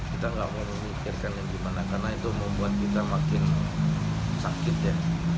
kita nggak mau memikirkan yang gimana karena itu membuat kita makin sakit ya